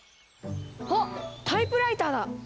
あっタイプライターだ！